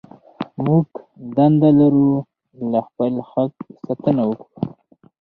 موږ دنده لرو له خپل حق ساتنه وکړو.